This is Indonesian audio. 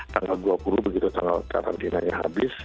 tanggal dua puluh begitu tanggal karantinanya habis